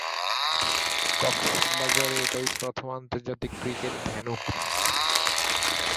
কক্সবাজারে এটাই প্রথম আন্তর্জাতিক ক্রিকেট ভেন্যু।